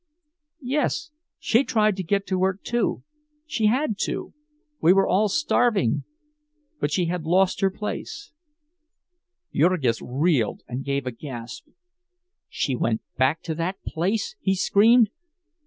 "Yes. She tried to get to work, too. She had to. We were all starving. But she had lost her place—" Jurgis reeled, and gave a gasp. "She went back to that place?" he screamed.